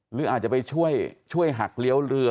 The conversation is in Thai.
หรืออาจจะไปช่วยหักเลี้ยวเรือ